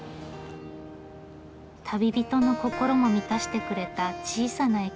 旅人の心も満たしてくれた小さな駅そば屋さん。